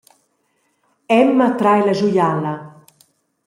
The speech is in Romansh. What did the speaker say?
Emma trai la schuiala.